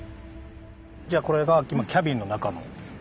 じゃあこれがキャビンの中の。